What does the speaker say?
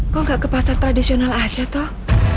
kok nggak ke pasar tradisional aja toh